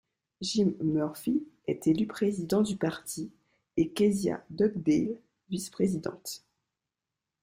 Jim Murphy est élu président du parti et Kezia Dugdale, vice-présidente.